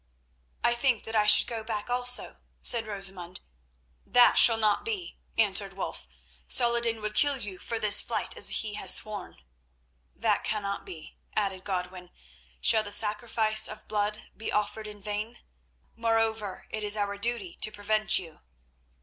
"I think that I should go back also," said Rosamund. "That shall not be," answered Wulf. "Saladin would kill you for this flight, as he has sworn." "That cannot be," added Godwin. "Shall the sacrifice of blood be offered in vain? Moreover it is our duty to prevent you."